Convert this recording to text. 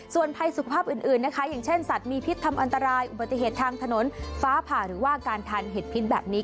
ส่วนภัยสุขภาพอื่นนะคะอย่างเช่นสัตว์มีพิษทำอันตรายอุบัติเหตุทางถนนฟ้าผ่าหรือว่าการทานเห็ดพิษแบบนี้